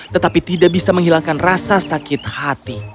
tetapi tidak bisa menghilangkan rasa sakit hati